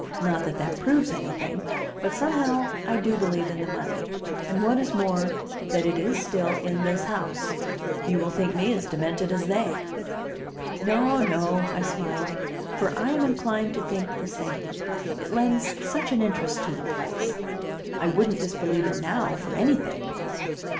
Not that that proves anything; but somehow I do believe in the money, and, what is more, that it is still in this house. You will think me as demented as they." "No, no," I smiled, "for I am inclined to think the same; it lends such an interest to the place. I wouldn't disbelieve it now for anything."